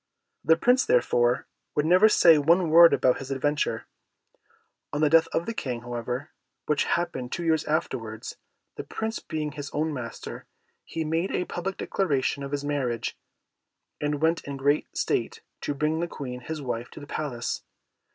The Prince, therefore, would never say one word about his adventure. On the death of the King, however, which happened two years afterwards, the Prince being his own master, he made a public declaration of his marriage, and went in great state to bring the Queen, his wife, to the palace.